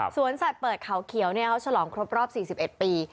สวนสัตว์เปิดเข่าเขียวเนี้ยเขาฉลองครบ๔๑ปี